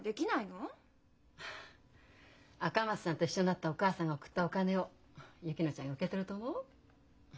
赤松さんと一緒になったお母さんが送ったお金を薫乃ちゃんが受け取ると思う？